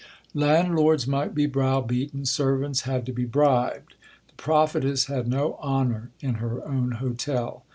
Landlords might be brow beaten; servants had to be bribed. The prophetess had no honour in her own hotel.